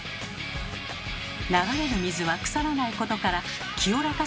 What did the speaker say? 流れる水は腐らないことから「清らかさ」の象徴です。